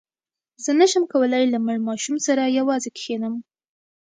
زه نه شم کولای له مړ ماشوم سره یوازې کښېنم.